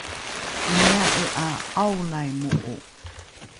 imia’e ’a ’aolaimo’o